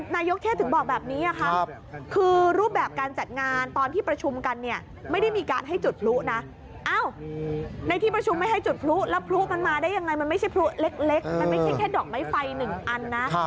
ในที่ประชุมไม่ให้จุดพลุแล้วพลุมันมาได้ยังไงมันไม่ใช่พลุเล็กมันไม่ใช่แค่ดอกไม้ไฟหนึ่งอันนะ